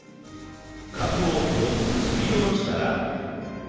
カブを４つすりおろしたら